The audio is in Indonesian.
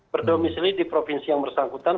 berdomisili di provinsi yang bersangkutan